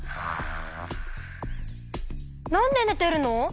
なんでねてるの？